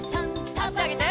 あしあげて。